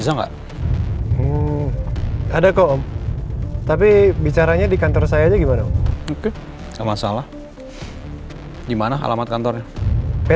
jangan lupa like share dan subscribe